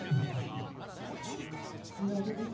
お土産です。